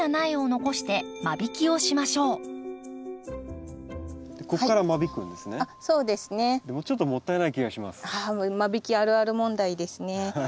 あ間引きあるある問題ですね。